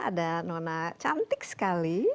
ada nona cantik sekali